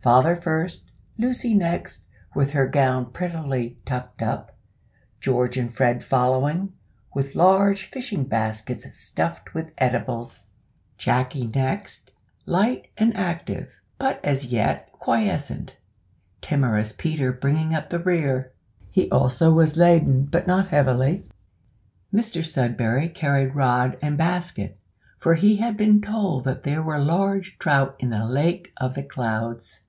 Father first, Lucy next, with her gown prettily tucked up; George and Fred following, with large fishing baskets stuffed with edibles; Jacky next, light and active, but as yet quiescent; timorous Peter bringing up the rear. He, also, was laden, but not heavily. Mr Sudberry carried rod and basket, for he had been told that there were large trout in the Lake of the Clouds.